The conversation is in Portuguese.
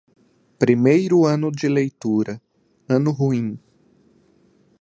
Primeiro ano de leitura, ano ruim.